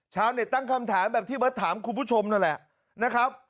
ชาวเน็ตตั้งคำถามแบบที่เบิร์ตถามคุณผู้ชมนั่นแหละนะครับ